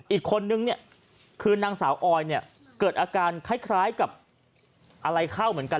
อีกคนนึงเนี่ยคือนางสาวออยเนี่ยเกิดอาการคล้ายกับอะไรเข้าเหมือนกัน